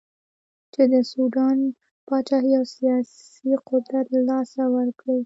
چې د سوډان پاچهي او سیاسي قدرت له لاسه ورکړي.